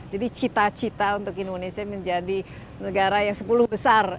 jadi cita cita untuk indonesia menjadi negara yang sepuluh besar